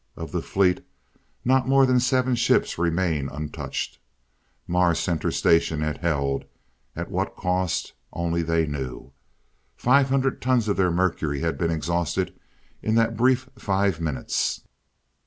Of the fleet, not more than seven ships remained untouched. Mars Center Station had held at what cost only they knew. Five hundred tons of their mercury had been exhausted in that brief five minutes.